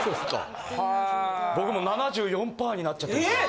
僕もう７４パーになっちゃってます。